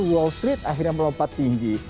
wall street akhirnya melompat tinggi